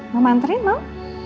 mau manterin mau